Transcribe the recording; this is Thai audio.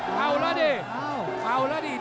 เสี้ยวเลยแบบนี้